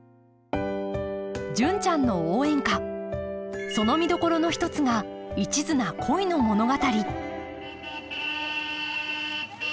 「純ちゃんの応援歌」その見どころの一つが一途な恋の物語